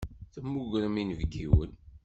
Temmugrem inebgiwen.